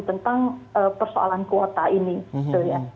tentang persoalan kuota ini gitu ya